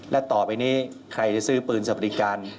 และต่อไปนี้ใครจะซื้อปืนสวัสดิการ